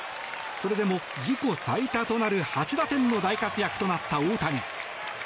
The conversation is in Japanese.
それでも自己最多となる８打点の大活躍となった大谷。